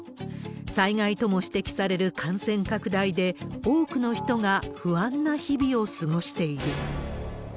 災害とも指摘される感染拡大で、多くの人が不安な日々を過ごしている。